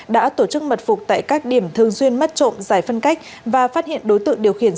đã tổ chức mật phục tại các điểm thường xuyên mất trộm giải phân cách và phát hiện đối tượng điều khiển